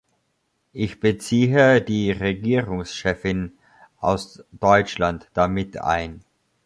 Ich beziehe die Regierungschefin aus Deutschland da mit ein.